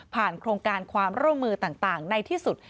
โครงการความร่วมมือต่างในที่สุด